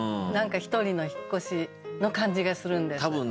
何か一人の引っ越しの感じがするんです。